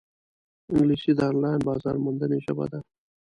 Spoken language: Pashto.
انګلیسي د آنلاین بازارموندنې ژبه ده